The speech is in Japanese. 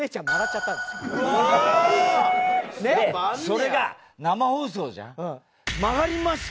それが生放送じゃん？